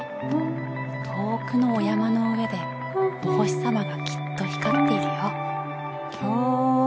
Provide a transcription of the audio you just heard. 遠くのお山の上でお星様がきっと光っているよ。